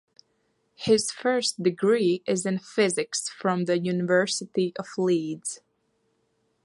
His first degree is in Physics from the University of Leeds.